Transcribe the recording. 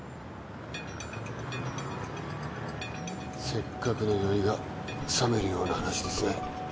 せっかくの酔いがさめるような話ですね。